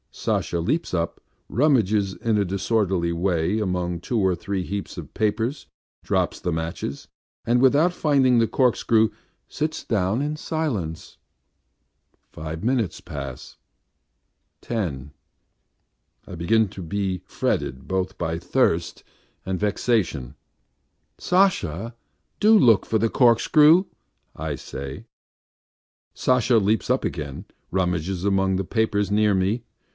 Sasha leaps up, rummages in a disorderly way among two or three heaps of papers, drops the matches, and without finding the corkscrew, sits down in silence. ... Five minutes pass ten. .. I begin to be fretted both by thirst and vexation. "Sasha, do look for the corkscrew," I say. Sasha leaps up again and rummages among the papers near me.